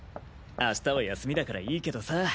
明日は休みだからいいけどさ。